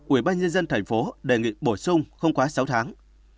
ubnd tp hcm đề nghị bổ sung không quá sáu tháng